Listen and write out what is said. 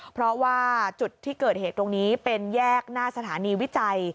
เพราะว่าจุดที่เกิดเหตุตรงนี้เป็นแยกหน้าสถานีวิจัย